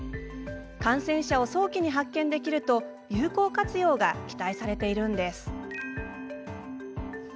感染者を早期に発見できると有効活用が期待されています。